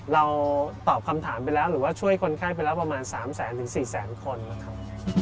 เราตอบคำถามไปแล้วหรือว่าช่วยคนไข้ไปแล้วประมาณ๓แสนถึง๔แสนคนนะครับ